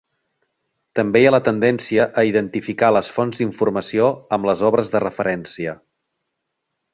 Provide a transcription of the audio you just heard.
També hi ha la tendència a identificar les fonts d'informació amb les obres de referència.